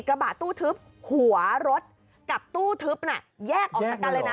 กระบะตู้ทึบหัวรถกับตู้ทึบน่ะแยกออกจากกันเลยนะ